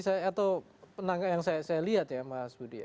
kalau prediksi atau penangga yang saya lihat ya mas budi